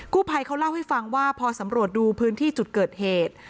ผู้ภัยเขาเล่าให้ฟังว่าพอสำรวจดูพื้นที่จุดเกิดเหตุ